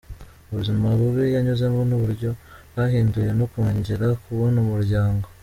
Ubuzima bubi yanyuzemo n’uburyo bwahinduye no kongera kubona umuryango.